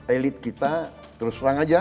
elit kita terus terang aja